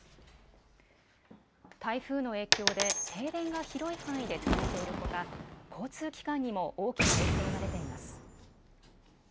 台風の影響で停電が広い範囲で続いているほか交通機関にも大きな影響が出ています。